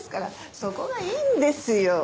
そこがいいんですよ。